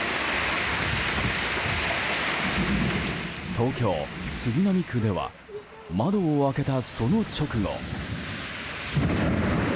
東京・杉並区では窓を開けたその直後。